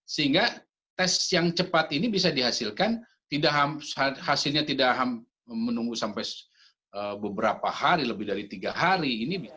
sehingga tes yang cepat ini bisa dihasilkan hasilnya tidak menunggu sampai beberapa hari lebih dari tiga hari